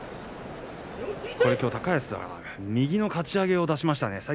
高安は右のかち上げを出しましたね。